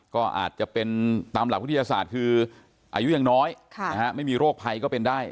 ก็อาจจะเป็นตามหลักวิทยาศาสตร์คืออายุยังน้อยไม่มีโรคภัยก็เป็นได้